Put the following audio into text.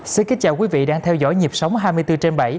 xin kính chào quý vị đang theo dõi nhịp sống hai mươi bốn trên bảy